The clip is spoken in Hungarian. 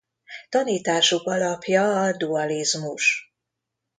Tanításuk alapja a dualizmus.